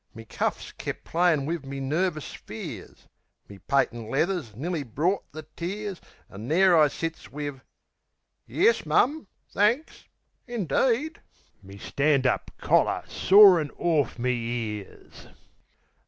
Me cuffs kep' playin' wiv me nervis fears Me patent leathers nearly brought the tears An' there I sits wiv, "Yes, mum. Thanks. Indeed?" Me stand up collar sorin' orf me ears.